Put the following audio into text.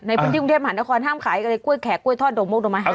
ในพื้นที่กรุงเทพฯหันตะควันห้ามขายกล้วยแขกกล้วยทอดโดมโมกโดมไม้ห้าม